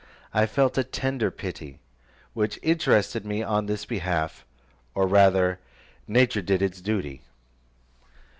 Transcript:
I felt a tender pity, which interested me on his behalf, or rather, nature did its duty.